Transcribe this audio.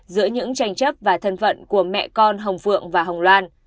giữa những tranh chấp và thân phận của mẹ con hồng phượng và hồng loan